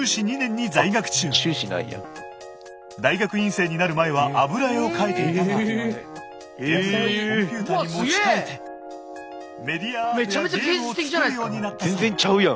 大学院生になる前は油絵を描いていたが絵筆をコンピューターに持ち替えてメディアアートやゲームを作るようになったそう。